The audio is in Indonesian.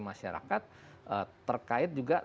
masyarakat terkait juga